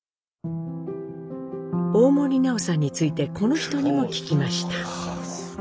大森南朋さんについてこの人にも聞きました。